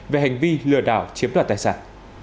về hành vi lừa đảo chiếm đoạt tài sản